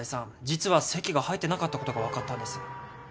実は籍が入ってなかったことが分かったんです。